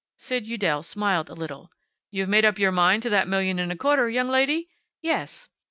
Sid Udell smiled a little. "You've made up your mind to that million and a quarter, young lady?" "Yes."